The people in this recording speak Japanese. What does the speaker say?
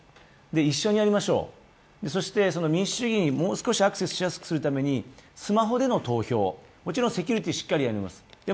一緒にやりましょう、そして民主主義にもう少しアクセスしやすくするためにスマホでの投票、もちろんセキュリティーしっかりやります。